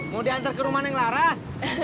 mau diantar ke rumah yang laras